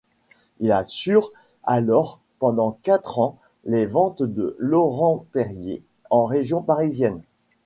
Il assure alors pendant quatre ans les ventes de Laurent-Perrier en région parisienne.